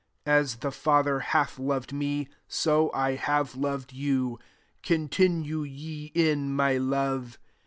9 As the Father hath loved me, so I hare loved you: continue ye in my love.